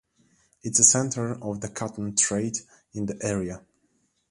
It is a centre for the cotton trade in the area.